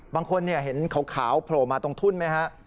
บางคนเห็นขาวโผล่มาตรงทุ่นไหมฮะ